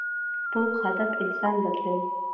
پوخ هدف انسان بدلوي